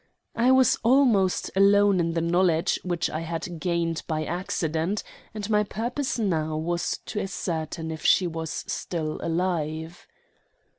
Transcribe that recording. I was almost alone in the knowledge, which I had gained by accident, and my purpose now was to ascertain if she was still alive.